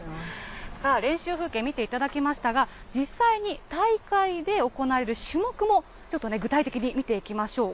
さあ、練習風景見ていただきましたが、実際大会で行われる種目も、ちょっとね、具体的に見ていきましょう。